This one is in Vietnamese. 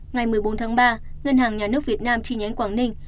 ngày một mươi bốn tháng ba ngân hàng nhà nước việt nam chi nhánh quảng ninh